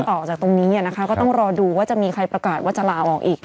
ต่อจากตรงนี้นะคะก็ต้องรอดูว่าจะมีใครประกาศว่าจะลาออกอีก